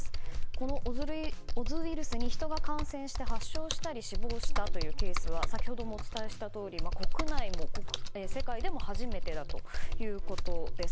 このオズウイルスにヒトが感染して発症したり死亡したというケースは先ほどもお伝えしたとおり国内も世界でも初めてだということです。